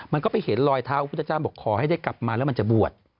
มันก็ไปเห็นรอยเท้าพุทธเจ้าบอกขอให้ได้กลับมาแล้วมันจะบวช